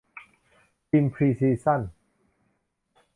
ทีมพรีซิชั่น